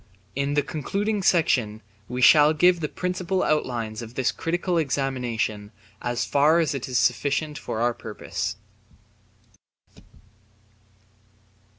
In the concluding section we shall give the principal outlines of this critical examination as far as is sufficient for our purpose.